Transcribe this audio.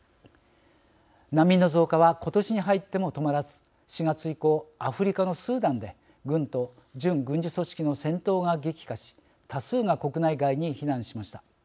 難民の増加は今年に入っても止まらず４月以降アフリカのスーダンで軍と準軍事組織の戦闘が激化し多数が国内外に避難しました。